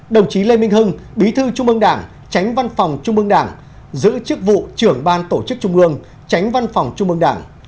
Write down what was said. đồng chí lê minh hưng bí thư trung ương đảng tránh văn phòng trung mương đảng giữ chức vụ trưởng ban tổ chức trung ương tránh văn phòng trung mương đảng